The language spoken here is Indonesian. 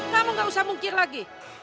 kamu nggak usah mungkir lagi